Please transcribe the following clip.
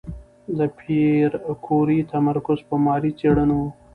د پېیر کوري تمرکز په ماري څېړنو و.